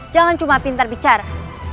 jangan cuma pintar bicara